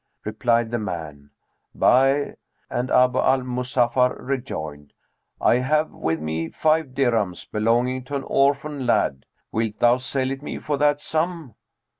Replied the man, 'Buy,' and Abu al Muzaffar rejoined, 'I have with me five dirhams, belonging to an orphan lad. Wilt thou sell it me for that sum?'